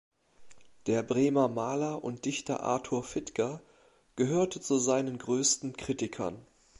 Der Bremer Maler und Dichter Arthur Fitger gehörte zu seinen größten Kritikern.